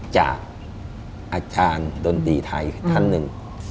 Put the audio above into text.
จากอาจารย์ดนตรีไทยท่านหนึ่ง